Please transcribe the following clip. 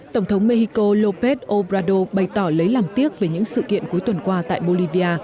tổng thống mexico lópez obrador bày tỏ lấy lặng tiếc về những sự kiện cuối tuần qua tại bolivia